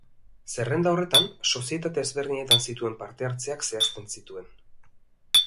Zerrenda horretan sozietate ezberdinetan zituen parte-hartzeak zehazten zituen.